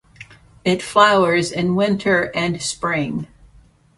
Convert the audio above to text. It flowers in winter and spring.